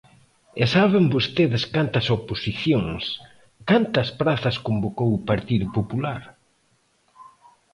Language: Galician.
¿E saben vostedes cantas oposicións, cantas prazas convocou o Partido Popular?